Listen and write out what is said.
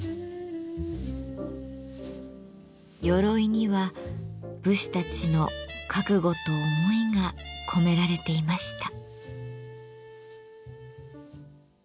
鎧には武士たちの覚悟と思いが込められていました。